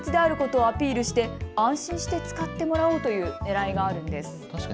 中が清潔であることをアピールして安心して使ってもらおうというねらいがあるんです。